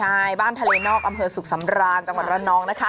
ใช่บ้านทะเลนอกอำเภอสุขสำราญจังหวัดระนองนะคะ